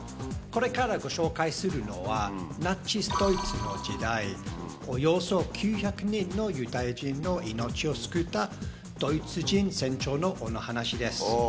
これからご紹介するのは、ナチス・ドイツの時代、およそ９００人のユダヤ人の命を救ったドイツ人船長のお話です。